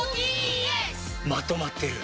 まとまってる。